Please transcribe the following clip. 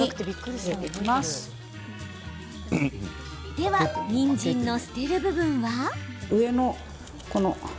では、にんじんの捨てる部分は。